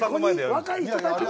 若い人たちが。